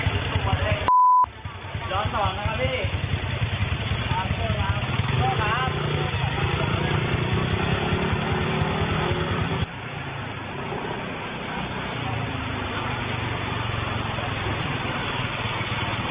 ไพซี่ไม่เคยรู้จักครับว่านี่มันอย่างไรนะครับ